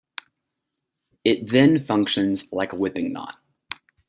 It then functions like a whipping knot.